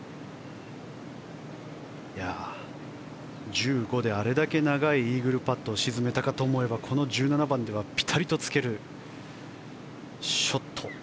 １５番であれだけ長いイーグルパットを沈めたかと思うとこの１７番ではぴたりとつけるショット。